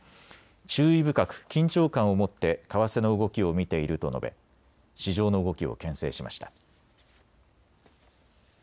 注意深く緊張感を持って為替の動きを見ていると述べ、市場の動きをけん制しました。